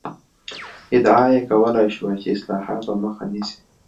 ادعا یې کولای شوای چې اصلاحاتو مخه نیسي.